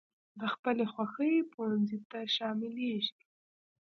د خپلې خوښي پونځي ته شاملېږي.